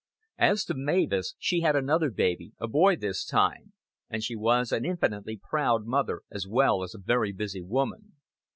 As to Mavis, she had another baby a boy this time and she was an infinitely proud mother as well as a very busy woman.